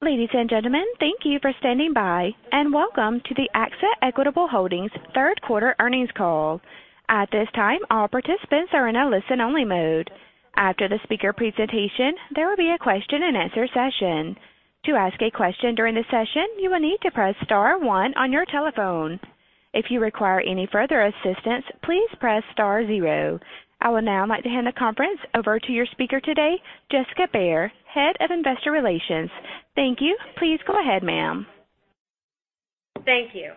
Ladies and gentlemen, thank you for standing by, and welcome to the AXA Equitable Holdings third quarter earnings call. At this time, all participants are in a listen-only mode. After the speaker presentation, there will be a question and answer session. To ask a question during the session, you will need to press star one on your telephone. If you require any further assistance, please press star zero. I would now like to hand the conference over to your speaker today, Jessica Baehr, Head of Investor Relations. Thank you. Please go ahead, ma'am. Thank you.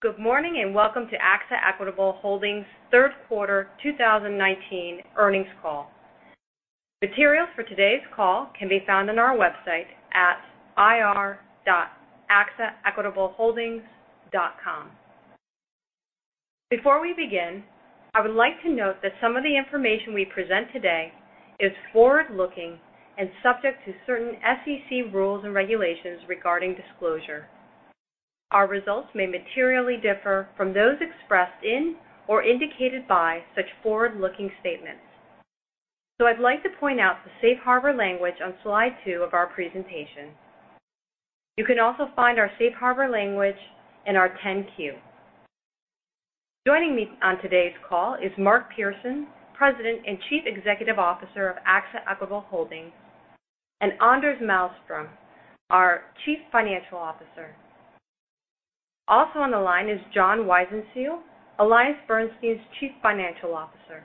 Good morning and welcome to AXA Equitable Holdings' third quarter 2019 earnings call. Materials for today's call can be found on our website at ir.axaequitableholdings.com. Before we begin, I would like to note that some of the information we present today is forward-looking and subject to certain SEC rules and regulations regarding disclosure. Our results may materially differ from those expressed in or indicated by such forward-looking statements. I'd like to point out the safe harbor language on slide two of our presentation. You can also find our safe harbor language in our 10-Q. Joining me on today's call is Mark Pearson, President and Chief Executive Officer of AXA Equitable Holdings, and Anders Malmström, our Chief Financial Officer. Also on the line is John Weisenseel, AllianceBernstein's Chief Financial Officer.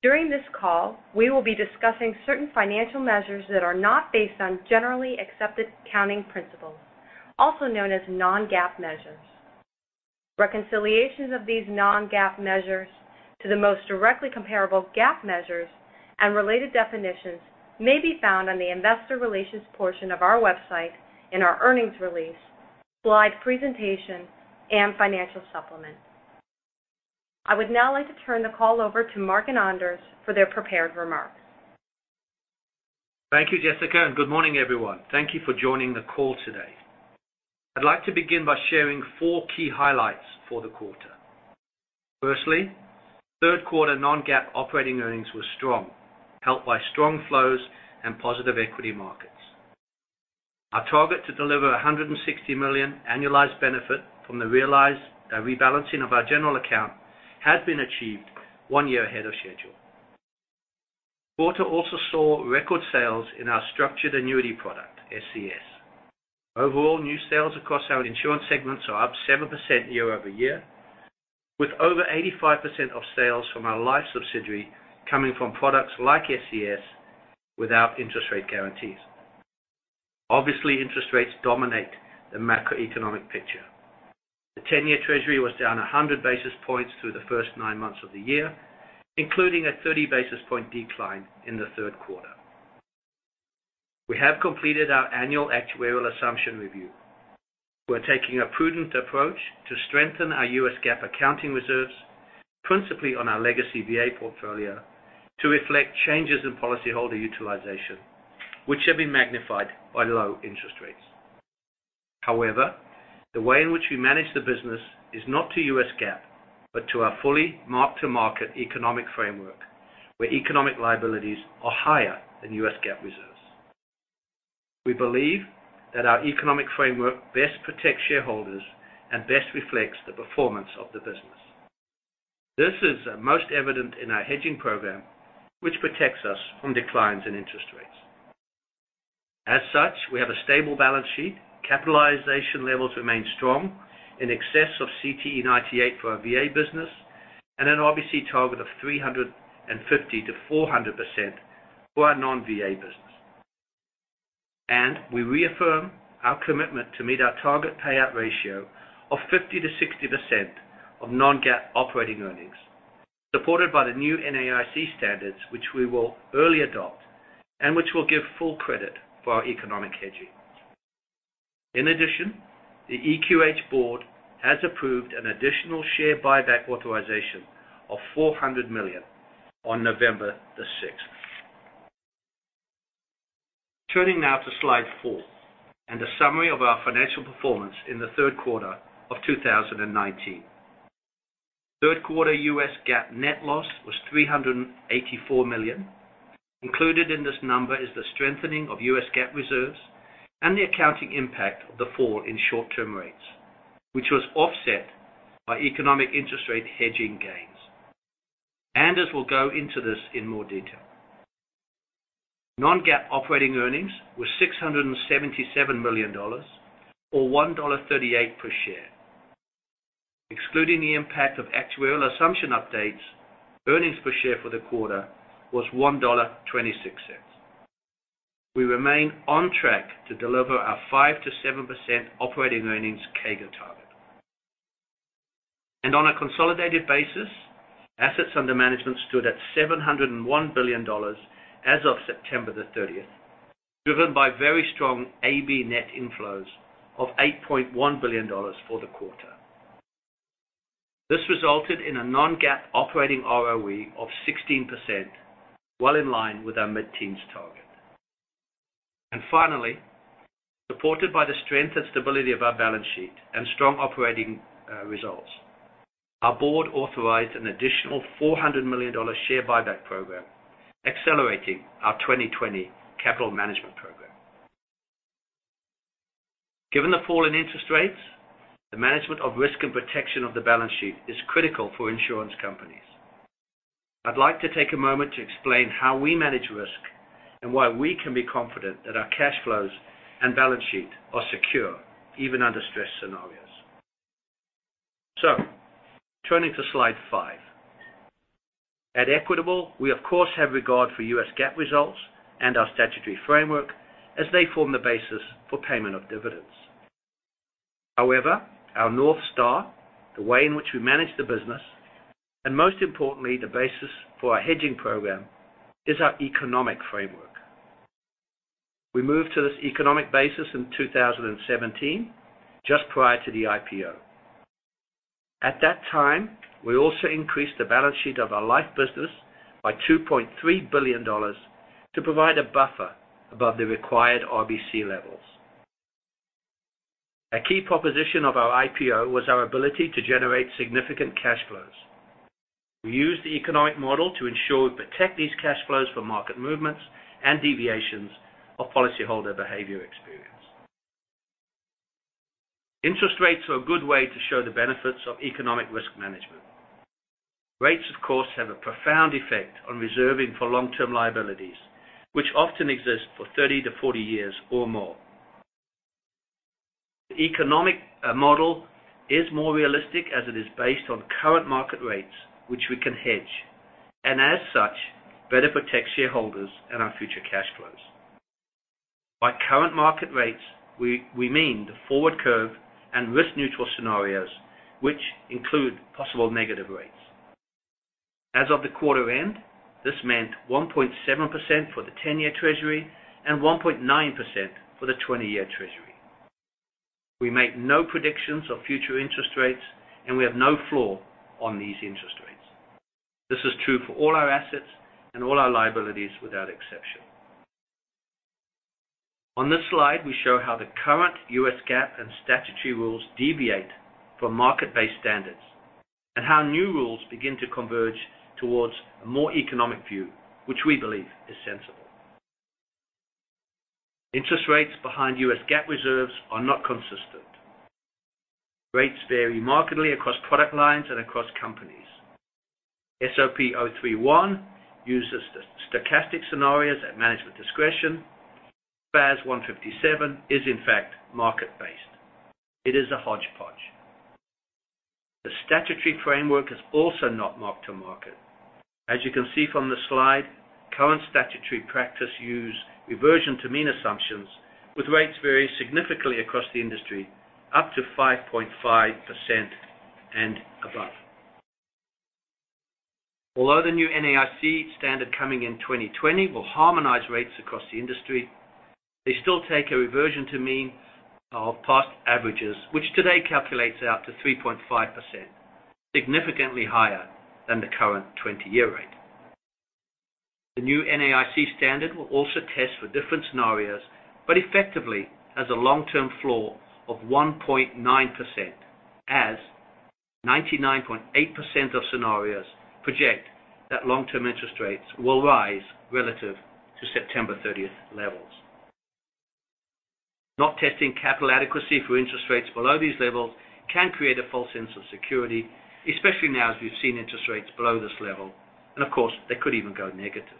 During this call, we will be discussing certain financial measures that are not based on generally accepted accounting principles, also known as non-GAAP measures. Reconciliations of these non-GAAP measures to the most directly comparable GAAP measures and related definitions may be found on the investor relations portion of our website in our earnings release, slide presentation, and financial supplement. I would now like to turn the call over to Mark and Anders for their prepared remarks. Thank you, Jessica, and good morning, everyone. Thank you for joining the call today. I'd like to begin by sharing four key highlights for the quarter. Firstly, third quarter non-GAAP operating earnings were strong, helped by strong flows and positive equity markets. Our target to deliver $160 million annualized benefit from the rebalancing of our general account had been achieved one year ahead of schedule. The quarter also saw record sales in our structured annuity product, SCS. Overall, new sales across our insurance segments are up 7% year-over-year, with over 85% of sales from our life subsidiary coming from products like SCS without interest rate guarantees. Obviously, interest rates dominate the macroeconomic picture. The 10-year treasury was down 100 basis points through the first nine months of the year, including a 30-basis-point decline in the third quarter. We have completed our annual actuarial assumption review. We're taking a prudent approach to strengthen our U.S. GAAP accounting reserves, principally on our legacy VA portfolio, to reflect changes in policyholder utilization, which have been magnified by low interest rates. However, the way in which we manage the business is not to U.S. GAAP, but to our fully mark-to-market economic framework, where economic liabilities are higher than U.S. GAAP reserves. We believe that our economic framework best protects shareholders and best reflects the performance of the business. This is most evident in our hedging program, which protects us from declines in interest rates. As such, we have a stable balance sheet. Capitalization levels remain strong, in excess of CTE 98 for our VA business, and an OBC target of 350%-400% for our non-VA business. We reaffirm our commitment to meet our target payout ratio of 50%-60% of non-GAAP operating earnings, supported by the new NAIC standards, which we will early adopt and which will give full credit for our economic hedging. In addition, the EQH board has approved an additional share buyback authorization of $400 million on November 6th. Turning now to slide four and a summary of our financial performance in the third quarter of 2019. Third quarter U.S. GAAP net loss was $384 million. Included in this number is the strengthening of U.S. GAAP reserves and the accounting impact of the fall in short-term rates, which was offset by economic interest rate hedging gains. Anders will go into this in more detail. Non-GAAP operating earnings were $677 million or $1.38 per share. Excluding the impact of actuarial assumption updates, earnings per share for the quarter was $1.26. We remain on track to deliver our 5%-7% operating earnings CAGR target. On a consolidated basis, assets under management stood at $701 billion as of September 30th, driven by very strong AB net inflows of $8.1 billion for the quarter. This resulted in a non-GAAP operating ROE of 16%, well in line with our mid-teens target. Finally, supported by the strength and stability of our balance sheet and strong operating results, our board authorized an additional $400 million share buyback program, accelerating our 2020 capital management program. Given the fall in interest rates, the management of risk and protection of the balance sheet is critical for insurance companies. I'd like to take a moment to explain how we manage risk, and why we can be confident that our cash flows and balance sheet are secure even under stress scenarios. Turning to slide five. At Equitable, we of course have regard for U.S. GAAP results and our statutory framework as they form the basis for payment of dividends. However, our North Star, the way in which we manage the business, and most importantly, the basis for our hedging program is our economic framework. We moved to this economic basis in 2017, just prior to the IPO. At that time, we also increased the balance sheet of our life business by $2.3 billion to provide a buffer above the required RBC levels. A key proposition of our IPO was our ability to generate significant cash flows. We use the economic model to ensure we protect these cash flows from market movements and deviations of policyholder behavior experience. Interest rates are a good way to show the benefits of economic risk management. Rates, of course, have a profound effect on reserving for long-term liabilities, which often exist for 30 to 40 years or more. Economic model is more realistic as it is based on current market rates, which we can hedge, and as such, better protect shareholders and our future cash flows. By current market rates, we mean the forward curve and risk neutral scenarios, which include possible negative rates. As of the quarter end, this meant 1.7% for the 10-year Treasury and 1.9% for the 20-year Treasury. We make no predictions of future interest rates, and we have no floor on these interest rates. This is true for all our assets and all our liabilities without exception. On this slide, we show how the current U.S. GAAP and statutory rules deviate from market-based standards, and how new rules begin to converge towards a more economic view, which we believe is sensible. Interest rates behind U.S. GAAP reserves are not consistent. Rates vary markedly across product lines and across companies. SOP 03-1 uses stochastic scenarios at management discretion. FAS 157 is in fact market-based. It is a hodgepodge. The statutory framework is also not mark to market. As you can see from the slide, current statutory practice use reversion to mean assumptions with rates varying significantly across the industry up to 5.5% and above. Although the new NAIC standard coming in 2020 will harmonize rates across the industry, they still take a reversion to mean of past averages, which today calculates out to 3.5%, significantly higher than the current 20-year rate. The new NAIC standard will also test for different scenarios, but effectively has a long-term floor of 1.9%, as 99.8% of scenarios project that long-term interest rates will rise relative to September 30th levels. Not testing capital adequacy for interest rates below these levels can create a false sense of security, especially now as we've seen interest rates below this level, and of course, they could even go negative.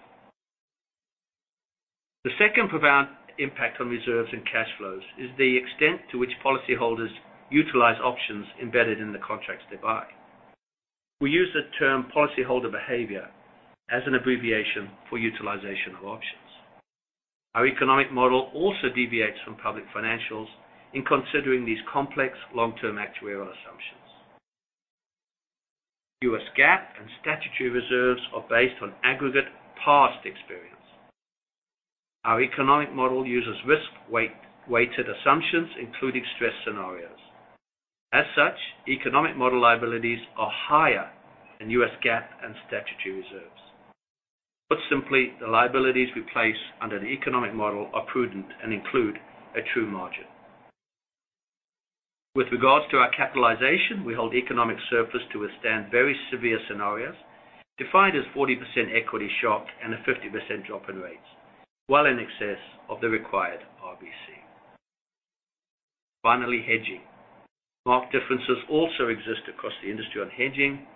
The second profound impact on reserves and cash flows is the extent to which policyholders utilize options embedded in the contracts they buy. We use the term policyholder behavior as an abbreviation for utilization of options. Our economic model also deviates from public financials in considering these complex long-term actuarial assumptions. U.S. GAAP and statutory reserves are based on aggregate past experience. Our economic model uses risk-weighted assumptions, including stress scenarios. As such, economic model liabilities are higher than U.S. GAAP and statutory reserves. Put simply, the liabilities we place under the economic model are prudent and include a true margin. With regards to our capitalization, we hold economic surplus to withstand very severe scenarios, defined as 40% equity shock and a 50% drop in rates, well in excess of the required RBC. Finally, hedging. Mark differences also exist across the industry on hedging.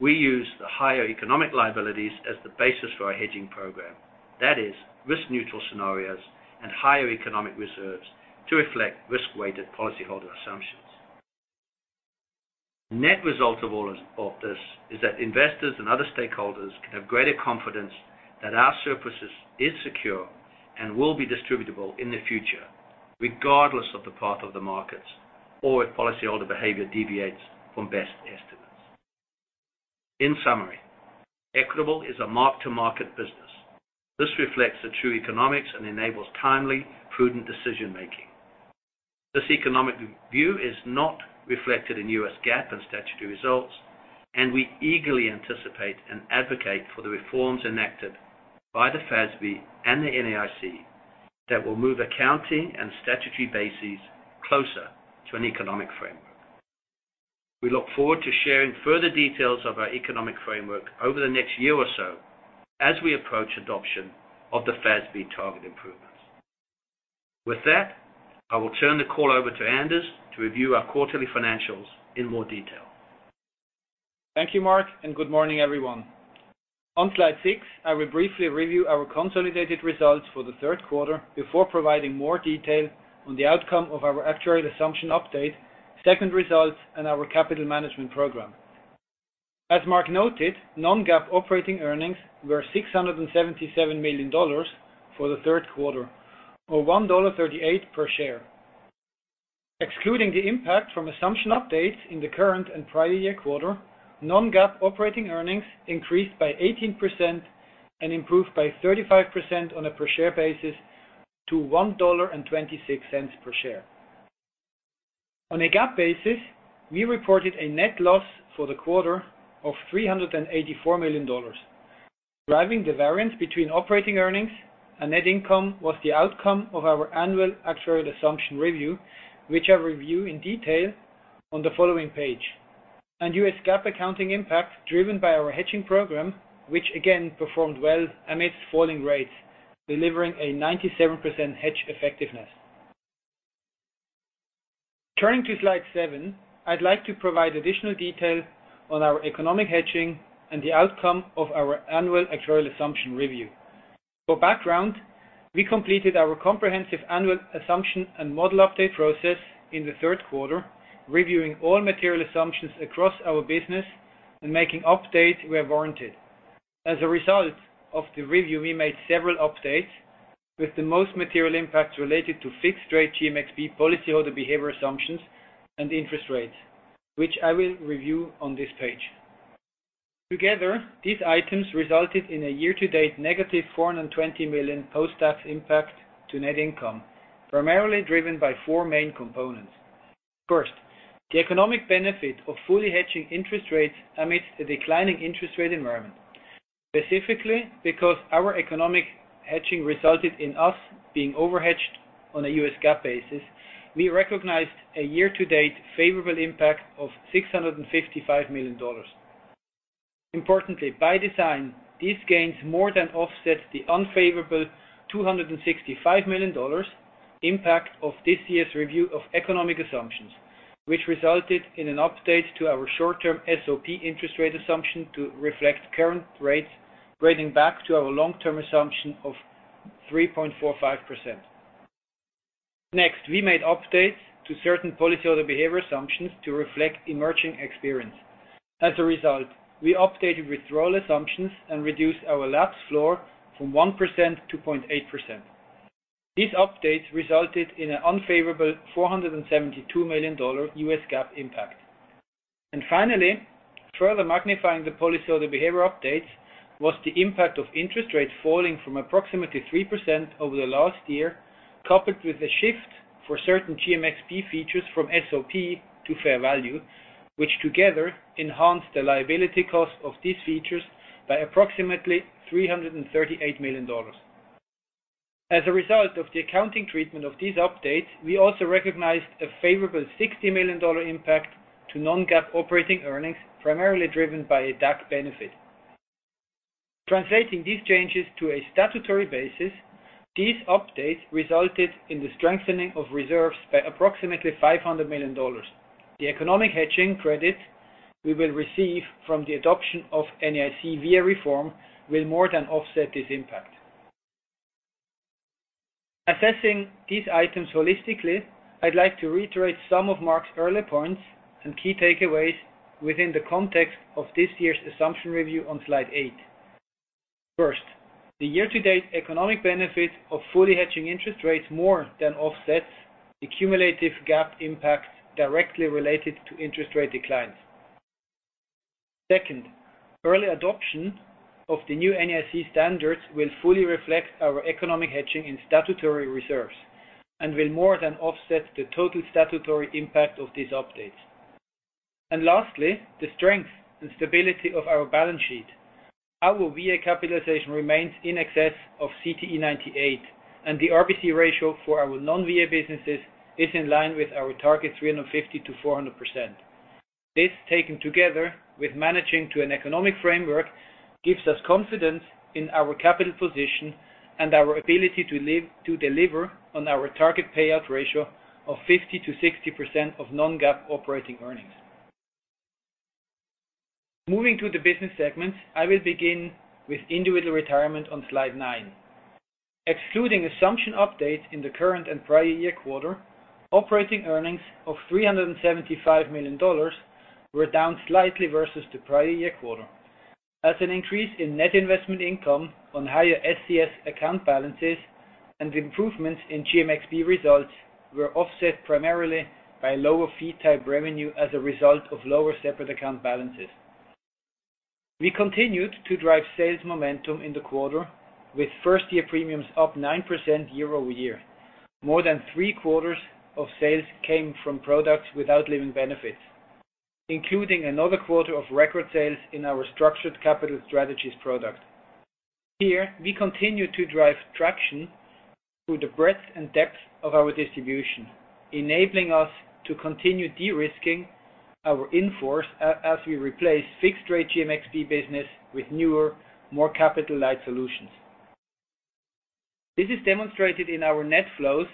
We use the higher economic liabilities as the basis for our hedging program. That is risk neutral scenarios and higher economic reserves to reflect risk-weighted policyholder assumptions. Net result of this is that investors and other stakeholders can have greater confidence that our surpluses is secure and will be distributable in the future regardless of the path of the markets or if policyholder behavior deviates from best estimates. In summary, Equitable is a mark to market business. This reflects the true economics and enables timely, prudent decision-making. This economic view is not reflected in U.S. GAAP and statutory results, and we eagerly anticipate and advocate for the reforms enacted by the FASB and the NAIC that will move accounting and statutory bases closer to an economic framework. We look forward to sharing further details of our economic framework over the next year or so as we approach adoption of the FASB targeted improvements. With that, I will turn the call over to Anders to review our quarterly financials in more detail. Thank you, Mark, and good morning, everyone. On slide six, I will briefly review our consolidated results for the third quarter before providing more detail on the outcome of our actuarial assumption update, segment results, and our capital management program. As Mark noted, non-GAAP operating earnings were $677 million for the third quarter, or $1.38 per share. Excluding the impact from assumption updates in the current and prior year quarter, non-GAAP operating earnings increased by 18% and improved by 35% on a per share basis to $1.26 per share. On a GAAP basis, we reported a net loss for the quarter of $384 million. Driving the variance between operating earnings and net income was the outcome of our annual actuarial assumption review, which I review in detail on the following page, and U.S. GAAP accounting impact driven by our hedging program, which again performed well amidst falling rates, delivering a 97% hedge effectiveness. Turning to slide seven, I'd like to provide additional detail on our economic hedging and the outcome of our annual actuarial assumption review. For background, we completed our comprehensive annual assumption and model update process in the third quarter, reviewing all material assumptions across our business and making updates where warranted. As a result of the review, we made several updates, with the most material impacts related to fixed rate GMXP policyholder behavior assumptions and interest rates, which I will review on this page. Together, these items resulted in a year-to-date negative $420 million post-tax impact to net income, primarily driven by four main components. First, the economic benefit of fully hedging interest rates amidst the declining interest rate environment. Specifically, because our economic hedging resulted in us being overhedged on a U.S. GAAP basis, we recognized a year-to-date favorable impact of $655 million. Importantly, by design, these gains more than offset the unfavorable $265 million impact of this year's review of economic assumptions, which resulted in an update to our short-term SOP interest rate assumption to reflect current rates grading back to our long-term assumption of 3.45%. Next, we made updates to certain policyholder behavior assumptions to reflect emerging experience. As a result, we updated withdrawal assumptions and reduced our lapse floor from 1% to 0.8%. These updates resulted in an unfavorable $472 million U.S. GAAP impact. Further magnifying the policyholder behavior updates was the impact of interest rates falling from approximately 3% over the last year, coupled with a shift for certain GMXP features from SOP to fair value, which together enhanced the liability cost of these features by approximately $338 million. As a result of the accounting treatment of these updates, we also recognized a favorable $60 million impact to non-GAAP operating earnings, primarily driven by a DAC benefit. Translating these changes to a statutory basis, these updates resulted in the strengthening of reserves by approximately $500 million. The economic hedging credit we will receive from the adoption of NAIC VA reform will more than offset this impact. Assessing these items holistically, I'd like to reiterate some of Mark's early points and key takeaways within the context of this year's assumption review on slide eight. First, the year-to-date economic benefit of fully hedging interest rates more than offsets the cumulative GAAP impacts directly related to interest rate declines. Second, early adoption of the new NAIC standards will fully reflect our economic hedging in statutory reserves and will more than offset the total statutory impact of these updates. Lastly, the strength and stability of our balance sheet. Our VA capitalization remains in excess of CTE 98, and the RBC ratio for our non-VA businesses is in line with our target 350%-400%. This, taken together with managing to an economic framework, gives us confidence in our capital position and our ability to deliver on our target payout ratio of 50%-60% of non-GAAP operating earnings. Moving to the business segments, I will begin with individual retirement on slide nine. Excluding assumption updates in the current and prior year quarter, operating earnings of $375 million were down slightly versus the prior year quarter. As an increase in net investment income on higher SCS account balances and improvements in GMXP results were offset primarily by lower fee type revenue as a result of lower separate account balances. We continued to drive sales momentum in the quarter with first-year premiums up 9% year-over-year. More than three-quarters of sales came from products without living benefits. Including another quarter of record sales in our Structured Capital Strategies product. Here, we continue to drive traction through the breadth and depth of our distribution, enabling us to continue de-risking our in-force as we replace fixed rate GMXP business with newer, more capital light solutions. This is demonstrated in our net flows,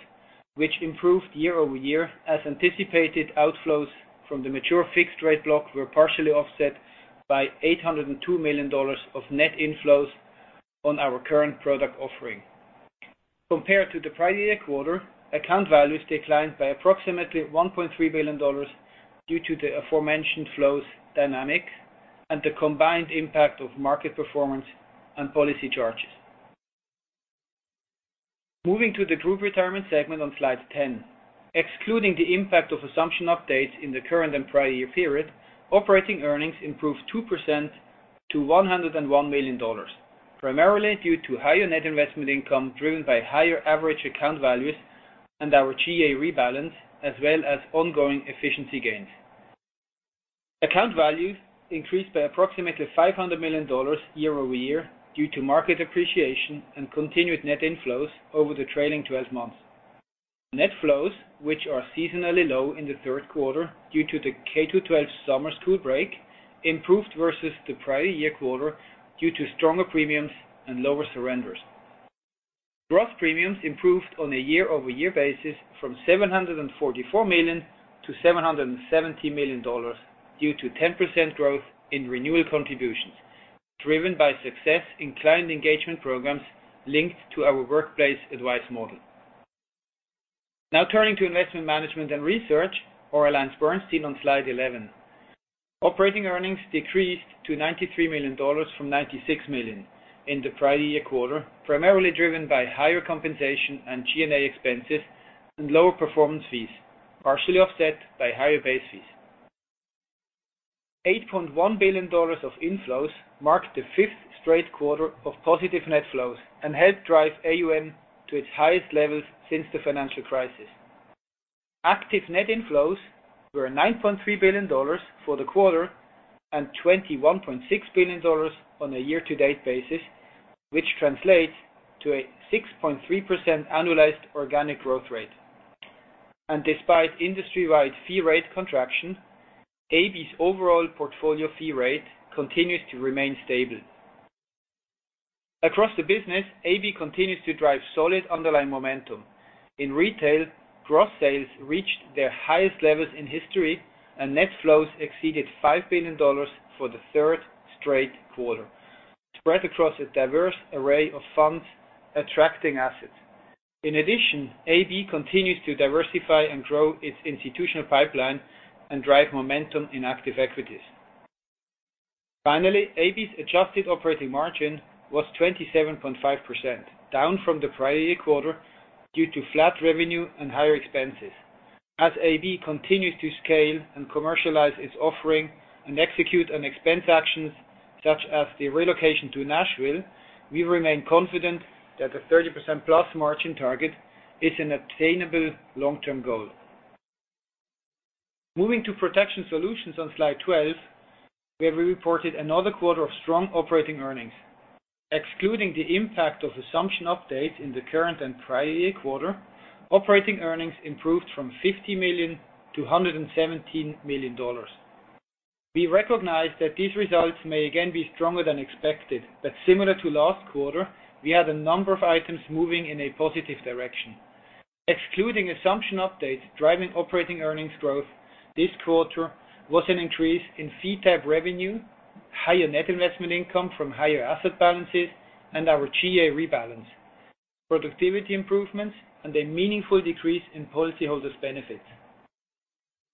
which improved year-over-year as anticipated outflows from the mature fixed rate block were partially offset by $802 million of net inflows on our current product offering. Compared to the prior year quarter, account values declined by approximately $1.3 billion due to the aforementioned flows dynamic and the combined impact of market performance and policy charges. Moving to the group retirement segment on slide 10. Excluding the impact of assumption updates in the current and prior year period, operating earnings improved 2% to $101 million, primarily due to higher net investment income driven by higher average account values and our GA rebalance, as well as ongoing efficiency gains. Account values increased by approximately $500 million year-over-year due to market appreciation and continued net inflows over the trailing 12 months. Net flows, which are seasonally low in the third quarter due to the K-12 summer school break, improved versus the prior year quarter due to stronger premiums and lower surrenders. Gross premiums improved on a year-over-year basis from $744 million to $770 million due to 10% growth in renewal contributions, driven by success in client engagement programs linked to our workplace advice model. Turning to investment management and research, or AllianceBernstein, on slide 11. Operating earnings decreased to $93 million from $96 million in the prior year quarter, primarily driven by higher compensation and G&A expenses and lower performance fees, partially offset by higher base fees. $8.1 billion of inflows marked the fifth straight quarter of positive net flows and helped drive AUM to its highest levels since the financial crisis. Active net inflows were $9.3 billion for the quarter and $21.6 billion on a year-to-date basis, which translates to a 6.3% annualized organic growth rate. Despite industry-wide fee rate contraction, AB's overall portfolio fee rate continues to remain stable. Across the business, AB continues to drive solid underlying momentum. In retail, gross sales reached their highest levels in history, and net flows exceeded $5 billion for the third straight quarter, spread across a diverse array of funds attracting assets. In addition, AB continues to diversify and grow its institutional pipeline and drive momentum in active equities. Finally, AB's adjusted operating margin was 27.5%, down from the prior year quarter due to flat revenue and higher expenses. AB continues to scale and commercialize its offering and execute on expense actions such as the relocation to Nashville, we remain confident that a 30%+ margin target is an attainable long-term goal. Moving to protection solutions on slide 12, we reported another quarter of strong operating earnings. Excluding the impact of assumption updates in the current and prior year quarter, operating earnings improved from $50 million to $117 million. We recognize that these results may again be stronger than expected, but similar to last quarter, we had a number of items moving in a positive direction. Excluding assumption updates, driving operating earnings growth this quarter was an increase in fee type revenue, higher net investment income from higher asset balances, and our GA rebalance, productivity improvements, and a meaningful decrease in policyholders' benefits.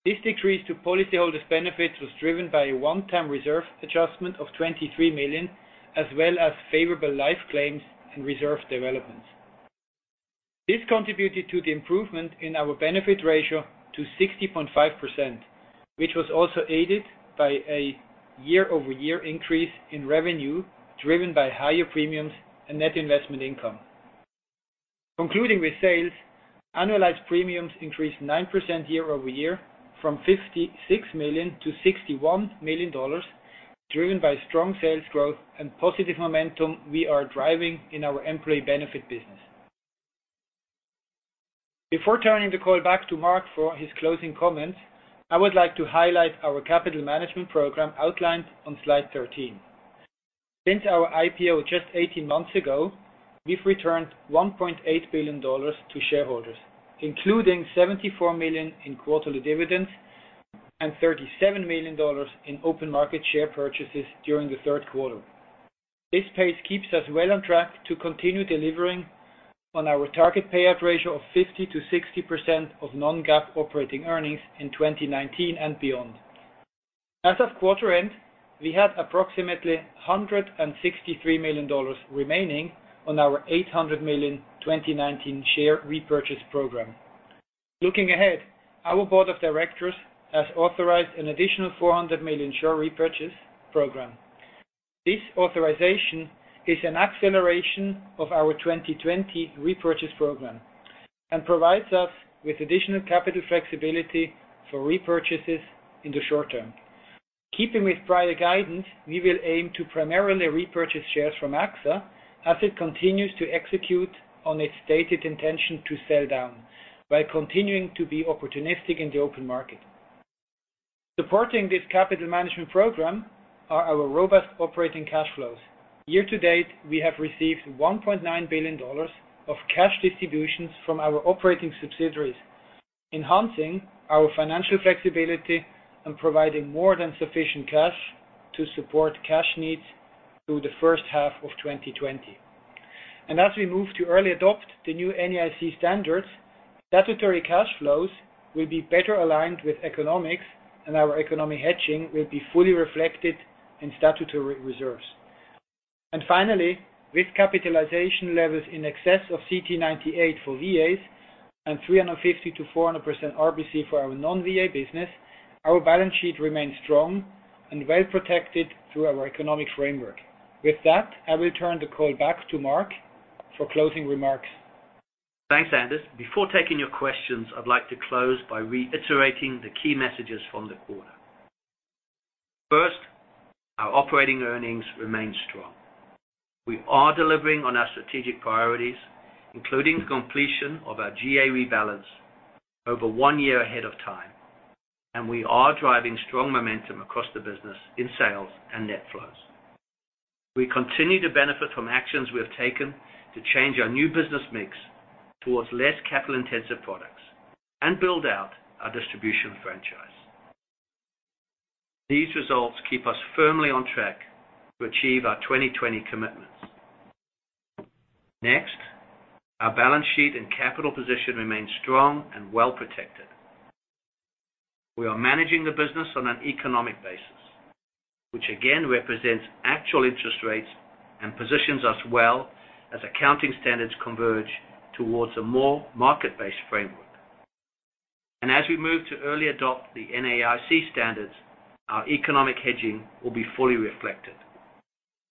This decrease to policyholders' benefits was driven by a one-time reserve adjustment of $23 million, as well as favorable life claims and reserve developments. This contributed to the improvement in our benefit ratio to 60.5%, which was also aided by a year-over-year increase in revenue driven by higher premiums and net investment income. Concluding with sales, annualized premiums increased 9% year-over-year from $56 million to $61 million, driven by strong sales growth and positive momentum we are driving in our employee benefit business. Before turning the call back to Mark for his closing comments, I would like to highlight our capital management program outlined on slide 13. Since our IPO just 18 months ago, we've returned $1.8 billion to shareholders, including $74 million in quarterly dividends and $37 million in open market share purchases during the third quarter. This pace keeps us well on track to continue delivering on our target payout ratio of 50%-60% of non-GAAP operating earnings in 2019 and beyond. As of quarter end, we had approximately $163 million remaining on our $800 million 2019 share repurchase program. Looking ahead, our board of directors has authorized an additional $400 million share repurchase program. This authorization is an acceleration of our 2020 repurchase program and provides us with additional capital flexibility for repurchases in the short term. Keeping with prior guidance, we will aim to primarily repurchase shares from AXA as it continues to execute on its stated intention to sell down by continuing to be opportunistic in the open market. Supporting this capital management program are our robust operating cash flows. Year to date, we have received $1.9 billion of cash distributions from our operating subsidiaries, enhancing our financial flexibility and providing more than sufficient cash to support cash needs through the first half of 2020. As we move to early adopt the new NAIC standards, statutory cash flows will be better aligned with economics, and our economic hedging will be fully reflected in statutory reserves. Finally, with capitalization levels in excess of CTE 98 for VAs and 350%-400% RBC for our non-VA business, our balance sheet remains strong and well-protected through our economic framework. With that, I will turn the call back to Mark for closing remarks. Thanks, Anders. Before taking your questions, I'd like to close by reiterating the key messages from the quarter. First, our operating earnings remain strong. We are delivering on our strategic priorities, including the completion of our GA rebalance over one year ahead of time. We are driving strong momentum across the business in sales and net flows. We continue to benefit from actions we have taken to change our new business mix towards less capital-intensive products and build out our distribution franchise. These results keep us firmly on track to achieve our 2020 commitments. Next, our balance sheet and capital position remain strong and well protected. We are managing the business on an economic basis, which again represents actual interest rates and positions us well as accounting standards converge towards a more market-based framework. As we move to early adopt the NAIC standards, our economic hedging will be fully reflected.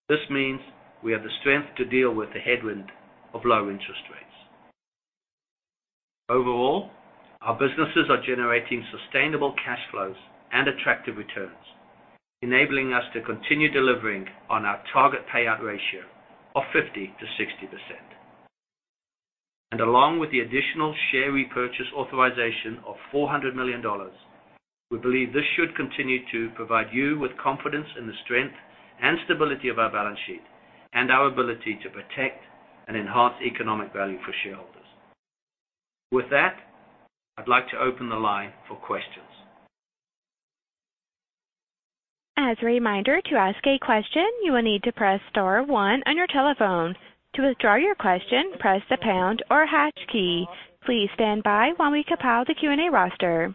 This means we have the strength to deal with the headwind of low interest rates. Overall, our businesses are generating sustainable cash flows and attractive returns, enabling us to continue delivering on our target payout ratio of 50%-60%. Along with the additional share repurchase authorization of $400 million, we believe this should continue to provide you with confidence in the strength and stability of our balance sheet and our ability to protect and enhance economic value for shareholders. With that, I'd like to open the line for questions. As a reminder, to ask a question, you will need to press star one on your telephone. To withdraw your question, press the pound or hash key. Please stand by while we compile the Q&A roster.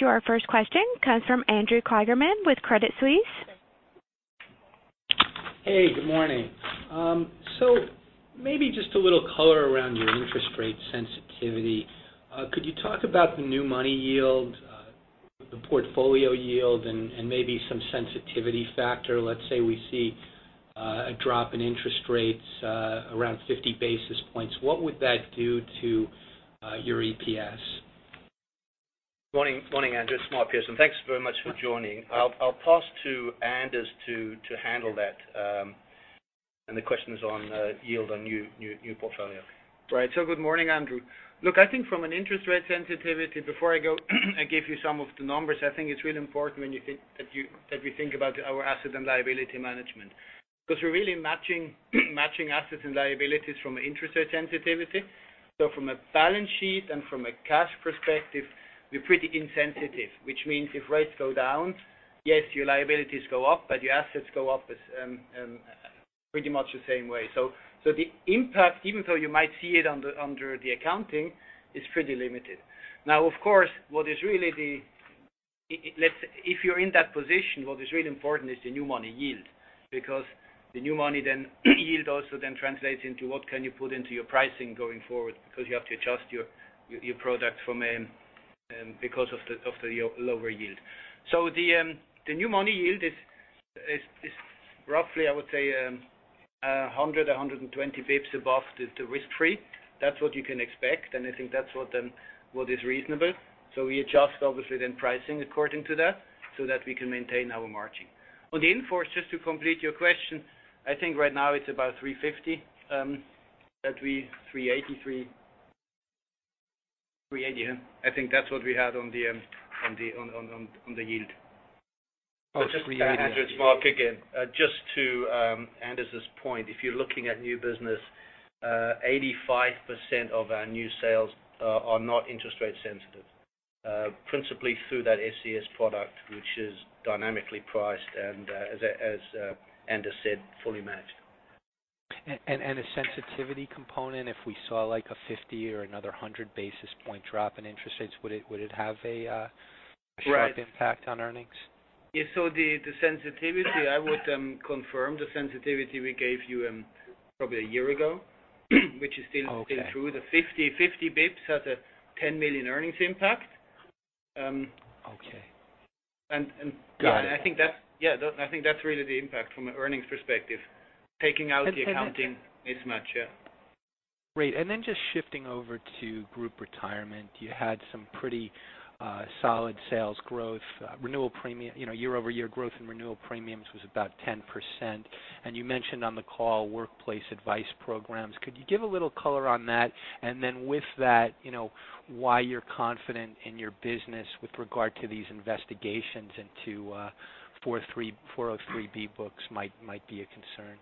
Your first question comes from Andrew Kligerman with Credit Suisse. Hey, good morning. Maybe just a little color around your interest rate sensitivity. Could you talk about the new money yield, the portfolio yield, and maybe some sensitivity factor? Let's say we see a drop in interest rates around 50 basis points. What would that do to your EPS? Morning, Andrew. It's Mark Pearson. Thanks very much for joining. I'll pass to Anders to handle that. The question is on yield on new portfolio. Right. Good morning, Andrew. Look, I think from an interest rate sensitivity, before I go and give you some of the numbers, I think it's really important that we think about our asset and liability management, because we're really matching assets and liabilities from an interest rate sensitivity. From a balance sheet and from a cash perspective, we're pretty insensitive, which means if rates go down, yes, your liabilities go up, but your assets go up as pretty much the same way. The impact, even though you might see it under the accounting, is pretty limited. Now, of course, if you're in that position, what is really important is the new money yield. The new money then yield also then translates into what can you put into your pricing going forward because you have to adjust your product because of the lower yield. The new money yield is roughly, I would say, 100, 120 basis points above the risk-free. That's what you can expect, and I think that's what is reasonable. We adjust, obviously, then pricing according to that so that we can maintain our margin. On the in-force, just to complete your question, I think right now it's about 350, 383. 380, I think that's what we had on the yield. Just to Andrew, it's Mark again. Just to Anders' point, if you're looking at new business, 85% of our new sales are not interest rate sensitive. Principally through that SCS product, which is dynamically priced and, as Anders said, fully matched. A sensitivity component, if we saw like a 50 or another 100 basis points drop in interest rates, would it have a sharp impact on earnings? Yeah. The sensitivity, I would confirm the sensitivity we gave you probably a year ago, which is still through the 50 basis points has a $10 million earnings impact. Okay. Got it. I think that's really the impact from an earnings perspective, taking out the accounting mismatch. Yeah. Great. Then just shifting over to group retirement, you had some pretty solid sales growth. Year-over-year growth in renewal premiums was about 10%, and you mentioned on the call workplace advice programs. Could you give a little color on that? And then with that, why you're confident in your business with regard to these investigations into 403(b) books might be a concern.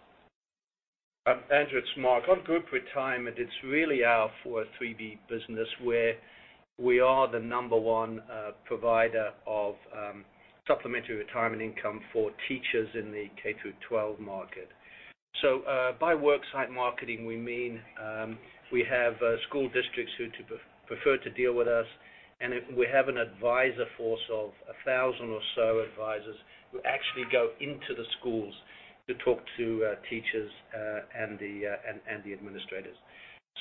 Andrew, it's Mark. On group retirement, it's really our 403(b) business where we are the number one provider of supplementary retirement income for teachers in the K-12 market. By work site marketing, we mean we have school districts who prefer to deal with us, and we have an advisor force of 1,000 or so advisors who actually go into the schools to talk to teachers and the administrators.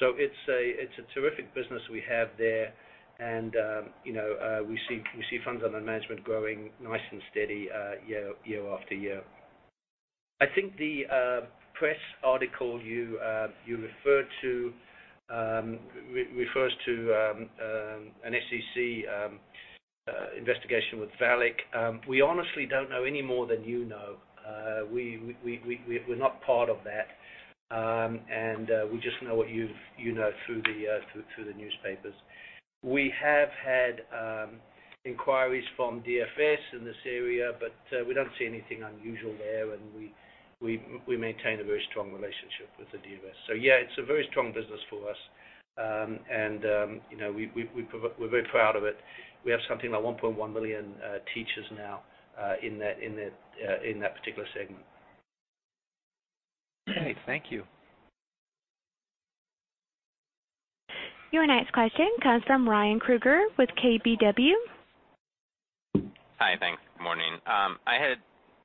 It's a terrific business we have there, and we see funds under management growing nice and steady year after year. I think the press article you referred to refers to an SEC investigation with VALIC. We honestly don't know any more than you know. We're not part of that. We just know what you know through the newspapers. We have had inquiries from DFS in this area, but we don't see anything unusual there. We maintain a very strong relationship with the DFS. Yeah, it's a very strong business for us. We're very proud of it. We have something like 1.1 million teachers now in that particular segment. Okay. Thank you. Your next question comes from Ryan Krueger with KBW. Hi. Thanks. Good morning. I had a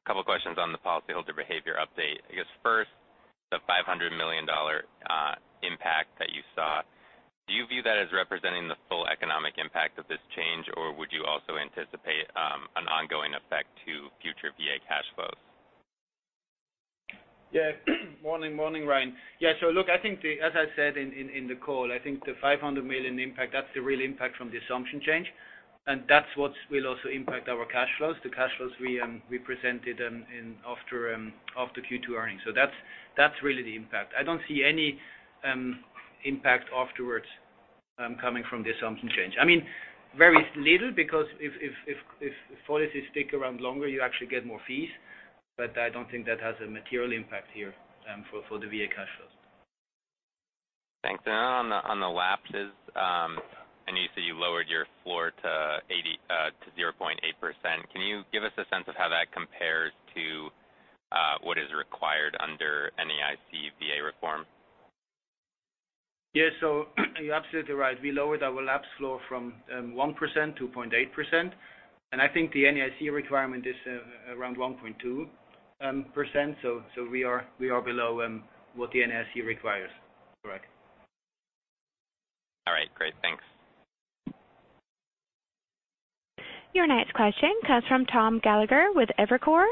couple questions on the policyholder behavior update. I guess first, the $500 million impact that you saw, do you view that as representing the full economic impact of this change, or would you also anticipate an ongoing effect to future VA cash flows? Morning, Ryan. I think, as I said in the call, I think the $500 million impact, that's the real impact from the assumption change. That's what will also impact our cash flows, the cash flows we presented after Q2 earnings. That's really the impact. I don't see any impact afterwards coming from the assumption change. Very little because if policies stick around longer, you actually get more fees. I don't think that has a material impact here for the VA cash flows. Thanks. On the lapses, I know you said you lowered your floor to 0.8%. Can you give us a sense of how that compares to what is required under NAIC VA reform? You're absolutely right. We lowered our lapse floor from 1% to 0.8%. I think the NAIC requirement is around 1.2%, so we are below what the NAIC requires. Correct. All right. Great. Thanks. Your next question comes from Tom Gallagher with Evercore.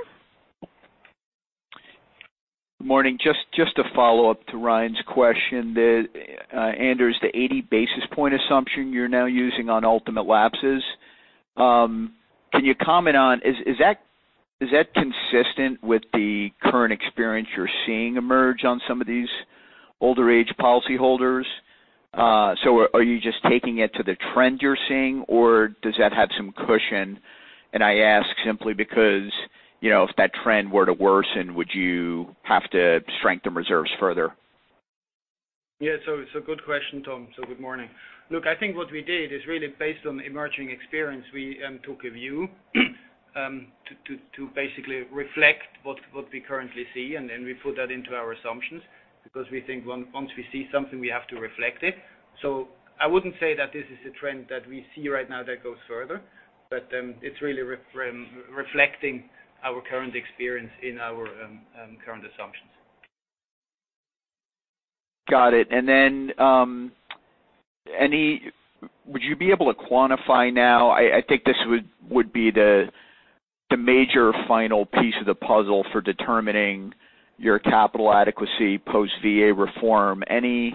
Good morning. Just a follow-up to Ryan's question. Anders, the 80 basis point assumption you're now using on ultimate lapses, can you comment on, is that consistent with the current experience you're seeing emerge on some of these older age policyholders? Are you just taking it to the trend you're seeing, or does that have some cushion? I ask simply because, if that trend were to worsen, would you have to strengthen reserves further? Yeah. Good question, Tom. Good morning. Look, I think what we did is really based on emerging experience. We took a view to basically reflect what we currently see, then we put that into our assumptions because we think once we see something, we have to reflect it. I wouldn't say that this is a trend that we see right now that goes further, but it's really reflecting our current experience in our current assumptions. Got it. Would you be able to quantify now, I think this would be the major final piece of the puzzle for determining your capital adequacy post VA reform. Can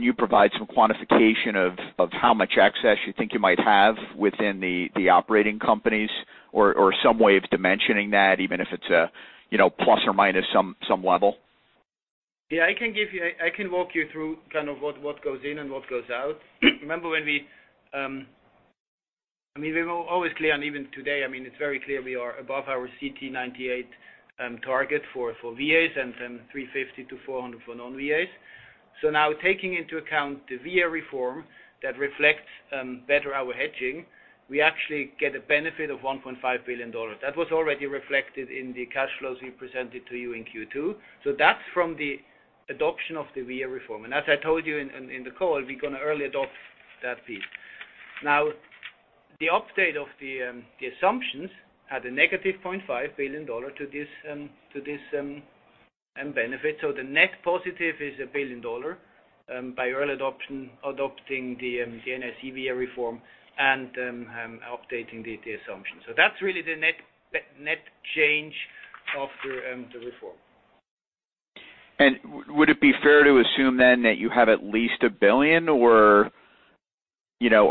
you provide some quantification of how much excess you think you might have within the operating companies or some way of dimensioning that, even if it's a ± some level? Yeah, I can walk you through kind of what goes in and what goes out. Remember when We were always clear, and even today, it's very clear we are above our CTE 98 target for VAs and 350-400 for non-VAs. Now taking into account the VA reform that reflects better our hedging, we actually get a benefit of $1.5 billion. That was already reflected in the cash flows we presented to you in Q2. That's from the adoption of the VA reform. As I told you in the call, we're going to early adopt that piece. Now, the update of the assumptions had a negative $0.5 billion to this And benefit. The net positive is $1 billion by early adopting the NAIC VA reform and updating the assumptions. That's really the net change of the reform. Would it be fair to assume then that you have at least $1 billion? Are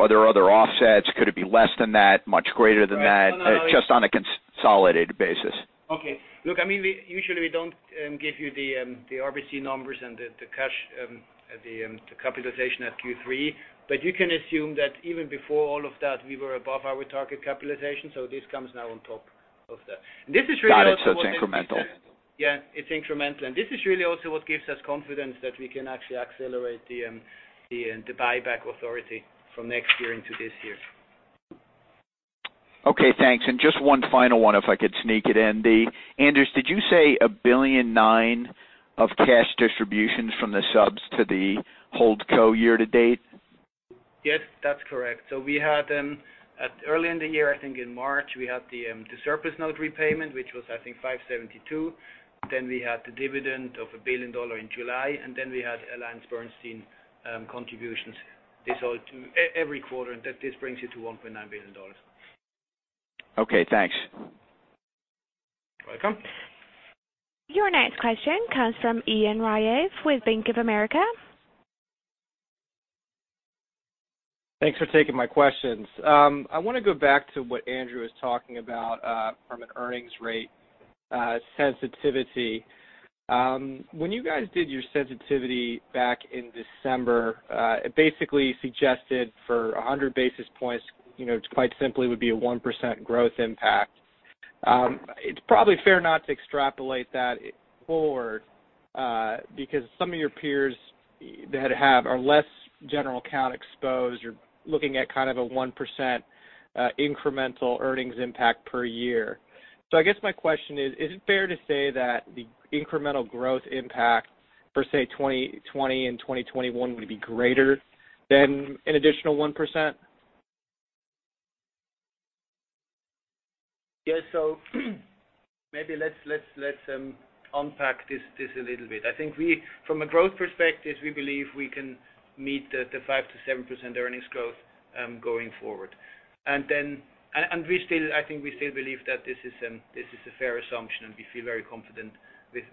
there other offsets? Could it be less than that? Much greater than that? Just on a consolidated basis. Okay. Look, usually we don't give you the RBC numbers and the cash, the capitalization at Q3, but you can assume that even before all of that, we were above our target capitalization. This comes now on top of that. This is really also what gives us. Got it. It's incremental. It's incremental. This is really also what gives us confidence that we can actually accelerate the buyback authority from next year into this year. Okay, thanks. Just one final one, if I could sneak it in. Anders, did you say $1.9 billion of cash distributions from the subs to the holdco year to date? Yes, that's correct. We had, early in the year, I think in March, we had the surplus note repayment, which was, I think, $572. We had the dividend of $1 billion in July. Then we had AllianceBernstein contributions. This all to every quarter, that this brings it to $1.9 billion. Okay, thanks. You're welcome. Your next question comes from Ian Ryave with Bank of America. Thanks for taking my questions. I want to go back to what Andrew was talking about from an earnings rate sensitivity. When you guys did your sensitivity back in December, it basically suggested for 100 basis points, it quite simply would be a 1% growth impact. It's probably fair not to extrapolate that forward, because some of your peers that have, are less general account exposed. You're looking at a 1% incremental earnings impact per year. I guess my question is it fair to say that the incremental growth impact for, say, 2020 and 2021 would be greater than an additional 1%? Yes, maybe let's unpack this a little bit. I think from a growth perspective, we believe we can meet the 5% to 7% earnings growth, going forward. I think we still believe that this is a fair assumption, and we feel very confident with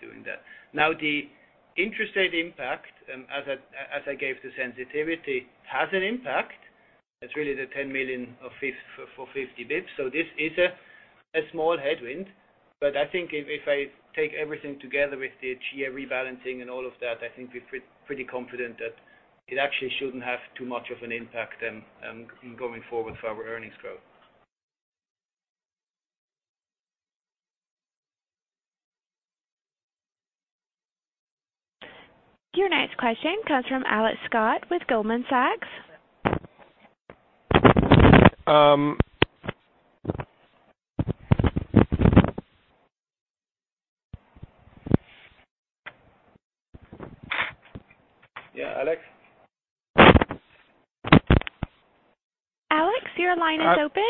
doing that. Now, the interest rate impact, as I gave the sensitivity, has an impact. It's really the $10 million for 50 basis points. This is a small headwind. I think if I take everything together with the GA rebalancing and all of that, I think we're pretty confident that it actually shouldn't have too much of an impact going forward for our earnings growth. Your next question comes from Alex Scott with Goldman Sachs. Yeah, Alex? Alex, your line is open.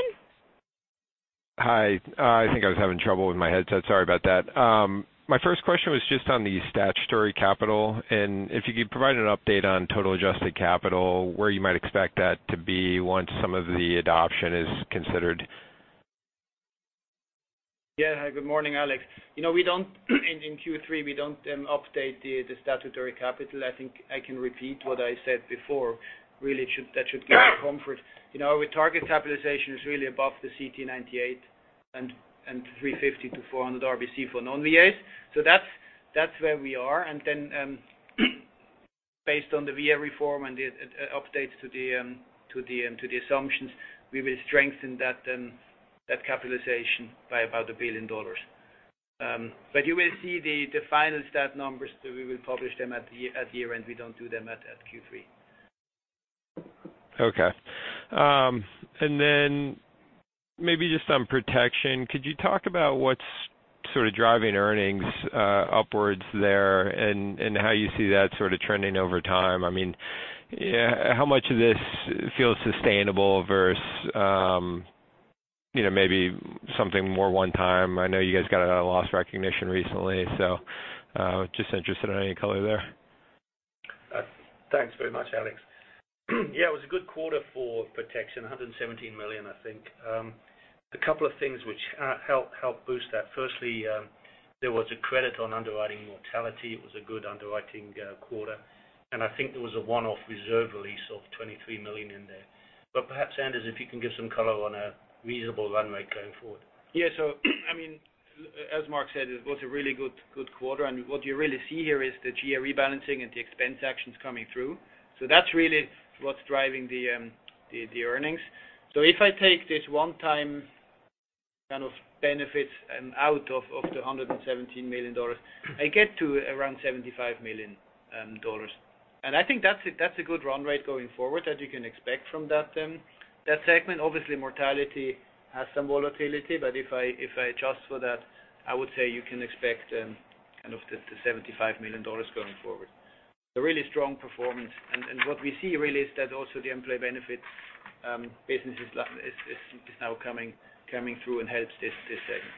Hi. I think I was having trouble with my headset. Sorry about that. My first question was just on the statutory capital, and if you could provide an update on total adjusted capital, where you might expect that to be once some of the adoption is considered. Good morning, Alex. In Q3, we don't update the statutory capital. I think I can repeat what I said before. Really, that should give you comfort. Our target capitalization is really above the CTE 98 and 350-400 RBC for non VAs. That's where we are, and then based on the VA reform and the updates to the assumptions, we will strengthen that capitalization by about $1 billion. You will see the final stat numbers, we will publish them at year-end. We don't do them at Q3. Okay. Maybe just on protection, could you talk about what's sort of driving earnings upwards there and how you see that sort of trending over time? How much of this feels sustainable versus maybe something more one-time? I know you guys got a loss recognition recently, just interested in any color there. Thanks very much, Alex. Yeah, it was a good quarter for protection, $117 million, I think. A couple of things which helped boost that. Firstly, there was a credit on underwriting mortality. It was a good underwriting quarter, and I think there was a one-off reserve release of $23 million in there. Perhaps, Anders, if you can give some color on a reasonable run rate going forward. As Mark said, it was a really good quarter, and what you really see here is the GA rebalancing and the expense actions coming through. That's really what's driving the earnings. If I take this one-time kind of benefit out of the $117 million, I get to around $75 million. I think that's a good run rate going forward that you can expect from that segment. Obviously, mortality has some volatility, but if I adjust for that, I would say you can expect the $75 million going forward. A really strong performance. What we see really is that also the employee benefits business is now coming through and helps this segment.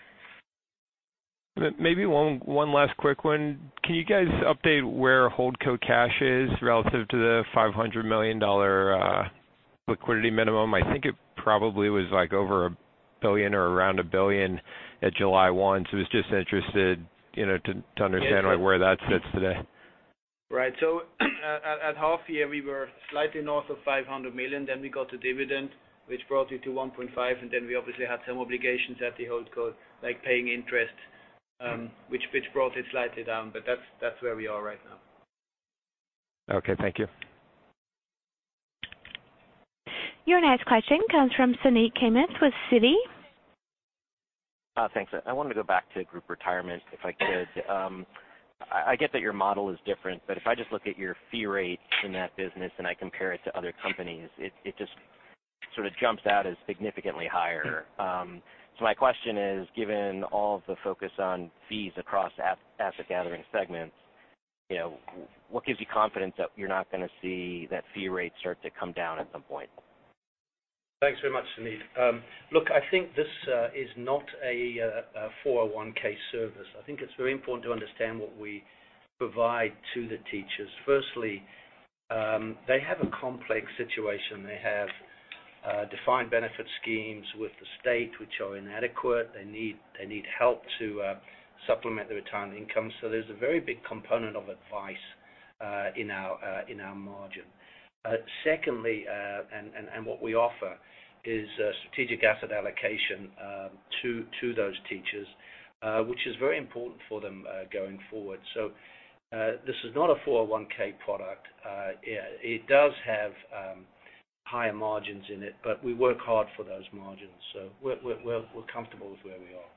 Maybe one last quick one. Can you guys update where holdco cash is relative to the $500 million liquidity minimum? I think it probably was over $1 billion or around $1 billion at July 1. Was just interested to understand where that sits today. Right. At half year, we were slightly north of $500 million. We got a dividend, which brought it to $1.5 billion, and then we obviously had some obligations at the holdco, like paying interest, which brought it slightly down. That's where we are right now. Okay. Thank you. Your next question comes from Suneet Kamath with Citi. Thanks. I wanted to go back to Group Retirement, if I could. I get that your model is different, but if I just look at your fee rates in that business and I compare it to other companies, it just sort of jumps out as significantly higher. My question is, given all of the focus on fees across asset gathering segments, what gives you confidence that you're not going to see that fee rate start to come down at some point? Thanks very much, Suneet. Look, I think this is not a 401 service. I think it's very important to understand what we provide to the teachers. Firstly, they have a complex situation. They have defined benefit schemes with the state, which are inadequate. They need help to supplement the retirement income. There's a very big component of advice in our margin. Secondly, what we offer is strategic asset allocation to those teachers, which is very important for them going forward. This is not a 401 product. It does have higher margins in it, but we work hard for those margins, so we're comfortable with where we are.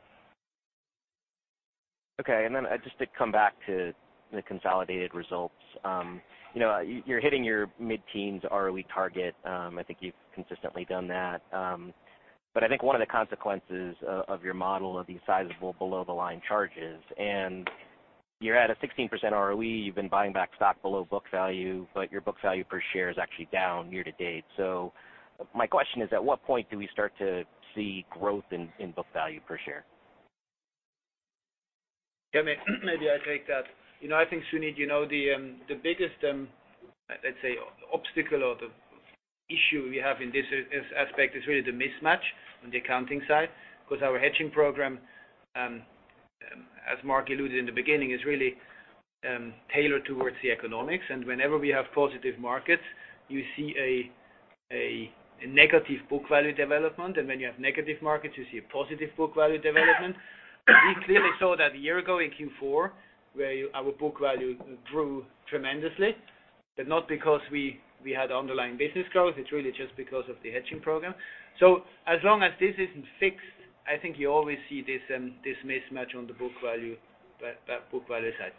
Okay, just to come back to the consolidated results. You're hitting your mid-teens ROE target. I think you've consistently done that. I think one of the consequences of your model are these sizable below-the-line charges, and you're at a 16% ROE. You've been buying back stock below book value, but your book value per share is actually down year-to-date. My question is, at what point do we start to see growth in book value per share? Yeah, maybe I take that. I think, Suneet, the biggest, let's say, obstacle or the issue we have in this aspect is really the mismatch on the accounting side, because our hedging program, as Mark alluded in the beginning, is really tailored towards the economics. Whenever we have positive markets, you see a negative book value development. When you have negative markets, you see a positive book value development. We clearly saw that a year ago in Q4, where our book value grew tremendously, but not because we had underlying business growth. It's really just because of the hedging program. As long as this isn't fixed, I think you always see this mismatch on the book value side.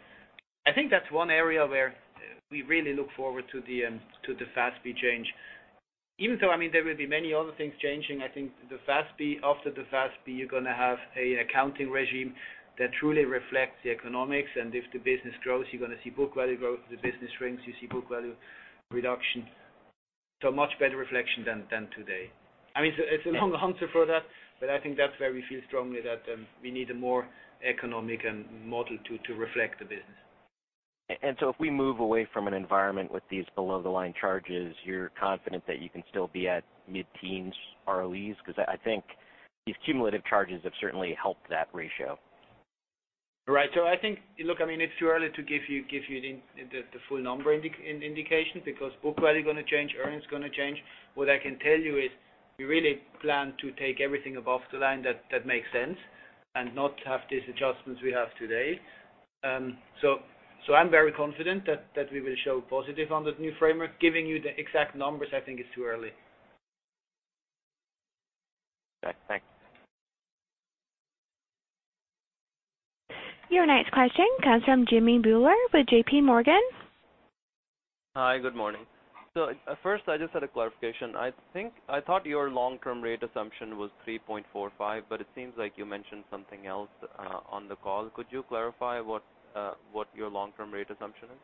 I think that's one area where we really look forward to the FASB change. Even so, there will be many other things changing. I think after the FASB, you're going to have an accounting regime that truly reflects the economics. If the business grows, you're going to see book value growth. If the business shrinks, you see book value reduction. Much better reflection than today. It's a long answer for that, but I think that's where we feel strongly that we need a more economic model to reflect the business. If we move away from an environment with these below-the-line charges, you're confident that you can still be at mid-teens ROEs, because I think these cumulative charges have certainly helped that ratio. Right. I think, look, it's too early to give you the full number indication because book value going to change, earnings going to change. What I can tell you is we really plan to take everything above the line that makes sense and not have these adjustments we have today. I'm very confident that we will show positive on the new framework. Giving you the exact numbers, I think it's too early. Okay. Thanks. Your next question comes from Jimmy Bhullar with JPMorgan. Hi. Good morning. First, I just had a clarification. I thought your long-term rate assumption was 3.45, but it seems like you mentioned something else on the call. Could you clarify what your long-term rate assumption is?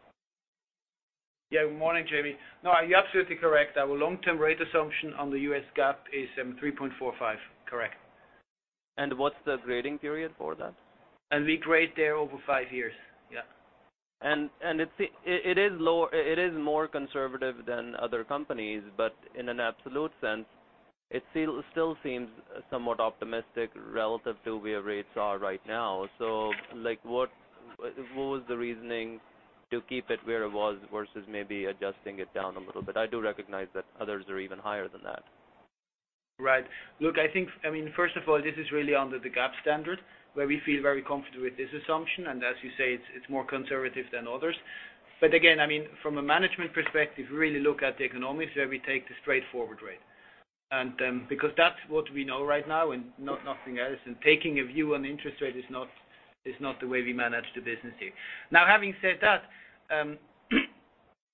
Good morning, Jimmy Bhullar. You're absolutely correct. Our long-term rate assumption on the US GAAP is 3.45. Correct. What's the grading period for that? We grade there over 5 years. Yeah. It is more conservative than other companies, but in an absolute sense, it still seems somewhat optimistic relative to where rates are right now. What was the reasoning to keep it where it was versus maybe adjusting it down a little bit? I do recognize that others are even higher than that. Right. Look, I think, first of all, this is really under the GAAP standard, where we feel very comfortable with this assumption. As you say, it's more conservative than others. Again, from a management perspective, really look at the economics where we take the straightforward rate. Because that's what we know right now and nothing else, and taking a view on interest rate is not the way we manage the business here. Now, having said that.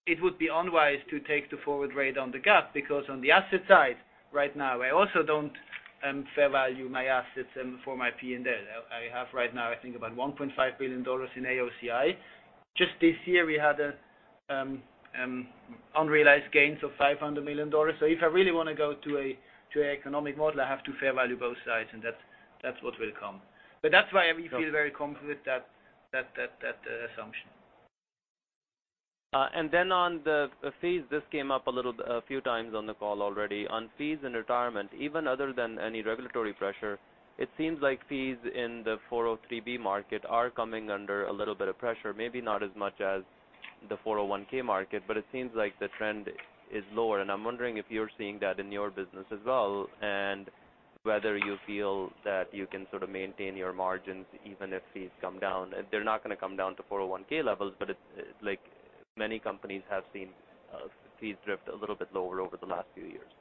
It would be unwise to take the forward rate on the GAAP, because on the asset side, right now, I also don't fair value my assets for my P&L. I have right now, I think about $1.5 billion in AOCI. Just this year, we had unrealized gains of $500 million. If I really want to go to an economic model, I have to fair value both sides, and that's what will come. That's why we feel very confident that assumption. On the fees, this came up a few times on the call already. On fees and retirement, even other than any regulatory pressure, it seems like fees in the 403(b) market are coming under a little bit of pressure, maybe not as much as the 401(k) market, but it seems like the trend is lower. I'm wondering if you're seeing that in your business as well, and whether you feel that you can sort of maintain your margins even if fees come down. They're not going to come down to 401(k) levels, but it's like many companies have seen fees drift a little bit lower over the last few years.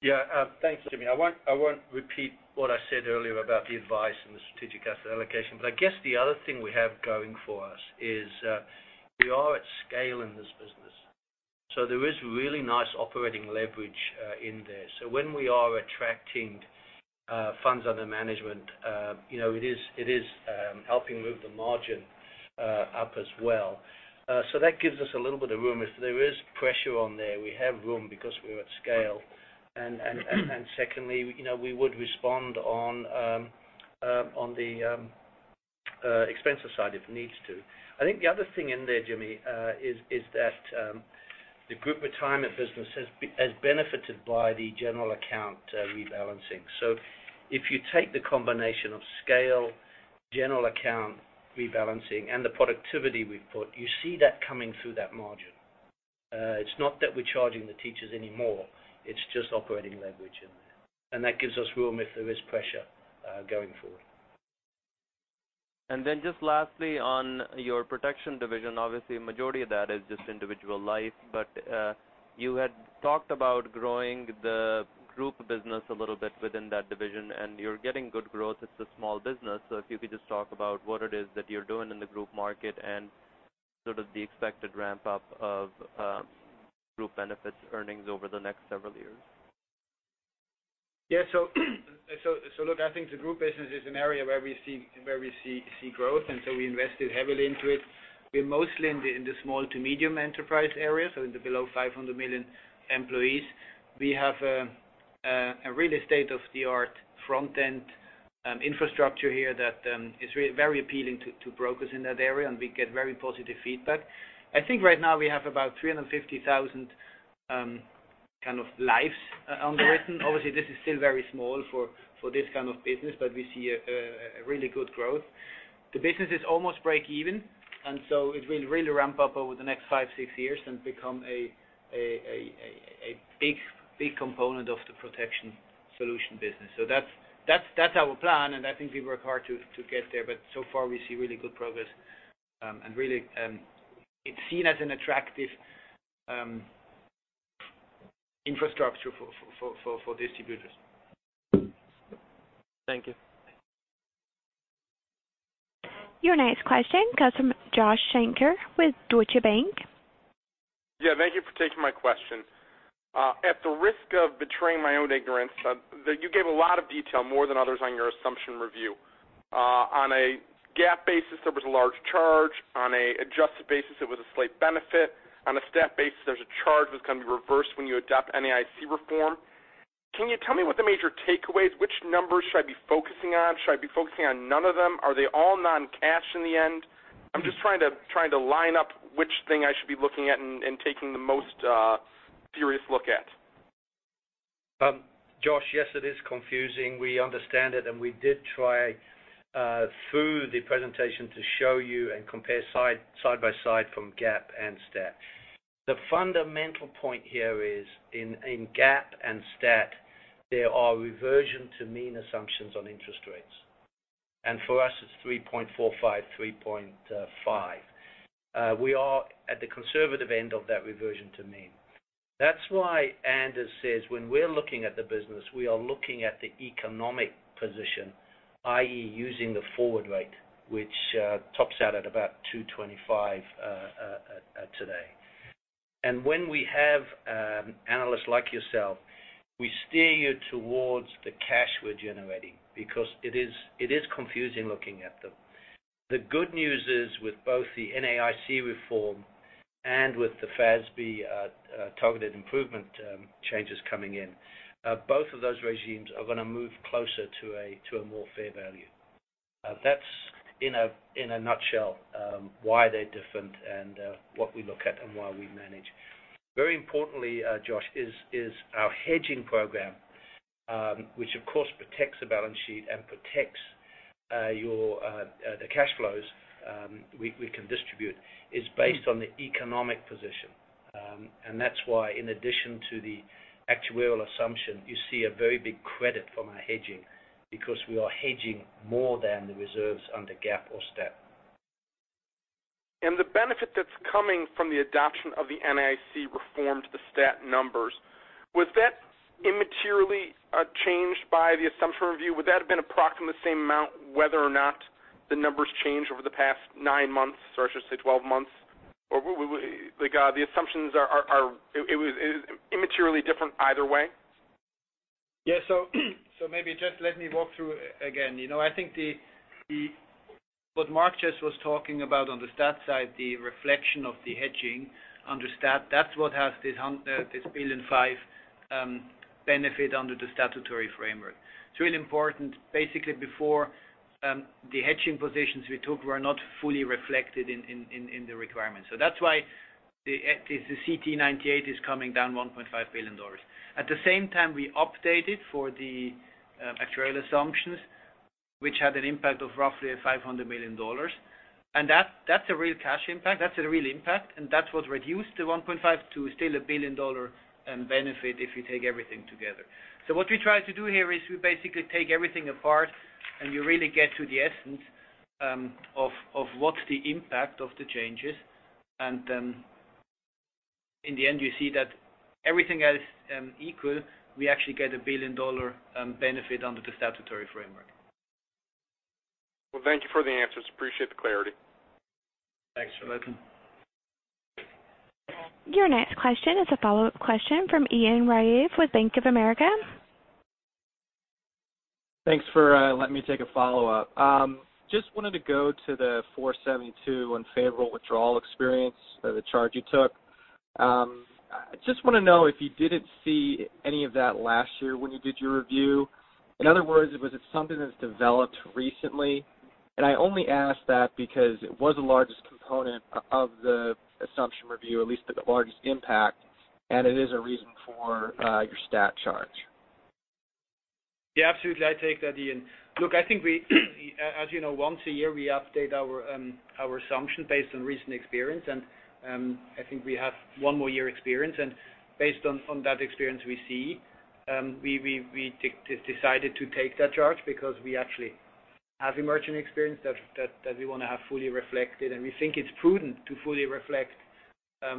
Yeah. Thanks, Jimmy. I won't repeat what I said earlier about the advice and the strategic asset allocation, I guess the other thing we have going for us is we are at scale in this business. There is really nice operating leverage in there. When we are attracting funds under management, it is helping move the margin up as well. That gives us a little bit of room. If there is pressure on there, we have room because we are at scale. Secondly, we would respond on the expense side if needs to. I think the other thing in there, Jimmy, is that the group retirement business has benefited by the General Account rebalancing. If you take the combination of scale, General Account rebalancing, and the productivity we've put, you see that coming through that margin. It's not that we're charging the teachers any more. It's just operating leverage in there. That gives us room if there is pressure going forward. Just lastly, on your protection division, obviously a majority of that is just individual life. You had talked about growing the group business a little bit within that division, and you're getting good growth. It's a small business. If you could just talk about what it is that you're doing in the group market and sort of the expected ramp-up of group benefits earnings over the next several years. Yeah. Look, I think the group business is an area where we see growth. We invested heavily into it. We're mostly in the small to medium enterprise area, so in the below 500 million employees. We have a really state-of-the-art front-end infrastructure here that is very appealing to brokers in that area, and we get very positive feedback. I think right now we have about 350,000 kind of lives underwritten. Obviously, this is still very small for this kind of business, but we see a really good growth. The business is almost break even. It will really ramp up over the next five, six years and become a big component of the protection solution business. That's our plan. I think we work hard to get there. So far, we see really good progress. Really, it's seen as an attractive infrastructure for distributors. Thank you. Your next question comes from Joshua Shanker with Deutsche Bank. Thank you for taking my question. At the risk of betraying my own ignorance, you gave a lot of detail, more than others, on your assumption review. On a GAAP basis, there was a large charge. On an adjusted basis, it was a slight benefit. On a STAT basis, there's a charge that's going to be reversed when you adopt NAIC reform. Can you tell me what the major takeaways, which numbers should I be focusing on? Should I be focusing on none of them? Are they all non-cash in the end? I'm just trying to line up which thing I should be looking at and taking the most furious look at. Josh, yes, it is confusing. We understand it, we did try through the presentation to show you and compare side by side from GAAP and STAT. The fundamental point here is in GAAP and STAT, there are reversion to mean assumptions on interest rates. For us, it's 3.45, 3.5. We are at the conservative end of that reversion to mean. That's why Anders says when we're looking at the business, we are looking at the economic position, i.e., using the forward rate, which tops out at about 225 today. When we have analysts like yourself, we steer you towards the cash we're generating because it is confusing looking at them. The good news is with both the NAIC reform and with the FASB targeted improvement changes coming in, both of those regimes are going to move closer to a more fair value. That's in a nutshell why they're different and what we look at and why we manage. Very importantly, Josh, is our hedging program, which of course protects the balance sheet and protects the cash flows we can distribute. It's based on the economic position. That's why in addition to the actuarial assumption, you see a very big credit from our hedging because we are hedging more than the reserves under GAAP or STAT. The benefit that's coming from the adoption of the NAIC reform to the STAT numbers was that immaterially changed by the assumption review? Would that have been approximately the same amount whether or not the numbers change over the past nine months, or I should say 12 months? The assumptions are immaterially different either way? Yes. Maybe just let me walk through again. I think what Mark just was talking about on the stat side, the reflection of the hedging under stat, that's what has this $1.5 billion benefit under the statutory framework. It's really important, basically before the hedging positions we took were not fully reflected in the requirements. That's why the CTE 98 is coming down $1.5 billion. At the same time, we updated for the actuarial assumptions, which had an impact of roughly $500 million. That's a real cash impact. That's a real impact, and that's what reduced the $1.5 billion to still a billion-dollar benefit if you take everything together. What we try to do here is we basically take everything apart, and you really get to the essence of what's the impact of the changes. In the end, you see that everything else equal, we actually get a billion-dollar benefit under the statutory framework. Well, thank you for the answers. Appreciate the clarity. Thanks for listening. Your next question is a follow-up question from Ian Ryave with Bank of America. Thanks for letting me take a follow-up. Just wanted to go to the 472 unfavorable withdrawal experience, the charge you took. I just want to know if you didn't see any of that last year when you did your review. In other words, was it something that's developed recently? I only ask that because it was the largest component of the assumption review, at least the largest impact, and it is a reason for your stat charge. Yeah, absolutely. I take that, Ian. Look, I think we, as you know, once a year, we update our assumptions based on recent experience. I think we have one more year experience. Based on that experience we see, we decided to take that charge because we actually have emerging experience that we want to have fully reflected, and we think it's prudent to fully reflect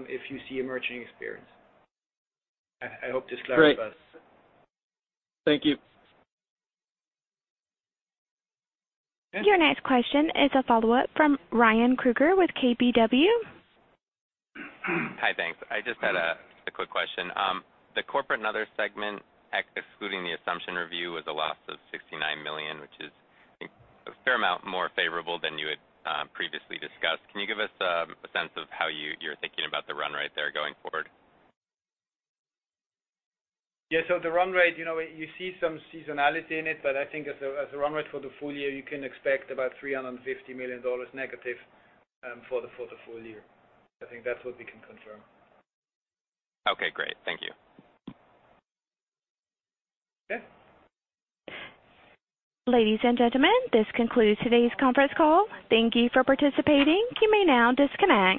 if you see emerging experience. I hope this clarifies. Great. Thank you. Your next question is a follow-up from Ryan Krueger with KBW. Hi, thanks. I just had a quick question. The Corporate and Other segment, excluding the assumption review, was a loss of $69 million, which is I think a fair amount more favorable than you had previously discussed. Can you give us a sense of how you're thinking about the run rate there going forward? Yeah. The run rate, you see some seasonality in it, but I think as a run rate for the full year, you can expect about $350 million negative for the full year. I think that's what we can confirm. Okay, great. Thank you. Yeah. Ladies and gentlemen, this concludes today's conference call. Thank you for participating. You may now disconnect.